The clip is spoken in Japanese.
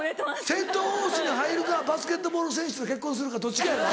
セント・フォースに入るかバスケットボール選手と結婚するかどっちかやぞ。